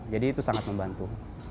jadi itu sangat membantu